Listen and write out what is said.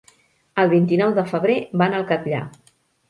El vint-i-nou de febrer van al Catllar.